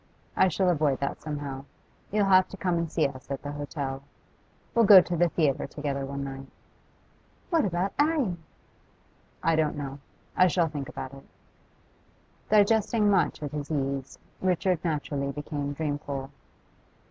I shall avoid that somehow. You'll have to come and see us at the hotel. We'll go to the theatre together one night.' 'What about 'Arry?' 'I don't know. I shall think about it.' Digesting much at his ease, Richard naturally became dreamful.